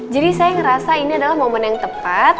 jadi saya ngerasa ini adalah momen yang tepat